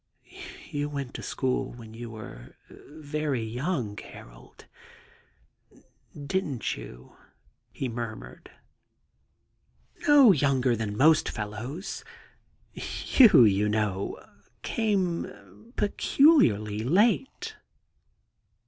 * You went to school when you were very young, Harold, didn't you ?' he murmured, 72 THE GARDEN GOD *No younger than most fellows. You, you know, came peculiarly late.'